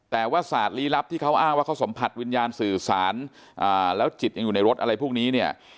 แต่ว่าศาสตร์ลี้ลับที่เขาอ้างว่าเขาสัมผัสวิญญาณสื่อสารแล้วจิตยังอยู่ในรถอะไรพวกนี้เนี่ย